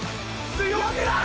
強くない？